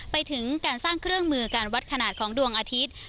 ไปถึงการสร้างเครื่องมือการวัดขนาดของดวงอาทิตย์